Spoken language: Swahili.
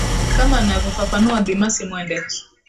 kama anavofafanua bi mercy mwende